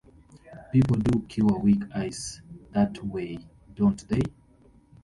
People do cure weak eyes that way, don't they?